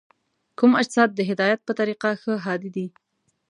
کوم اجسام د هدایت په طریقه ښه هادي دي؟